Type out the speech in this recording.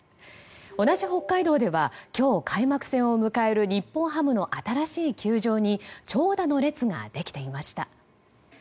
同じ北海道では今日、開幕戦を迎える日本ハムの新しい球場に長蛇の列ができていました。